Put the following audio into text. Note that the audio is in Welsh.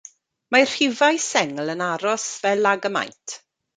Mae rhifau sengl yn aros fel ag y maent.